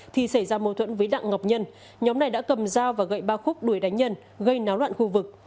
thì xảy ra mâu thuẫn với đặng ngọc nhân nhóm này đã cầm dao và gậy ba khúc đuổi đánh nhân gây náo loạn khu vực